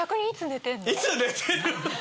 いつ寝てる？